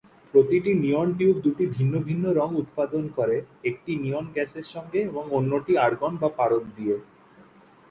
প্রতিটি neon tube দুটি ভিন্ন ভিন্ন রঙ উৎপাদন করে, একটি নিয়ন গ্যাসের সঙ্গে এবং অন্যটি আর্গন বা পারদ দিয়ে।